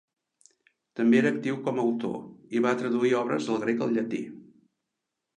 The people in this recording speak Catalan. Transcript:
També era actiu com autor, i va traduir obres del grec al llatí.